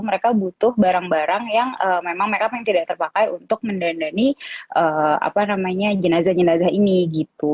mereka butuh barang barang yang memang make up yang tidak terpakai untuk mendandani jenazahnya